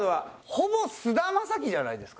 ほぼ菅田将暉じゃないですか？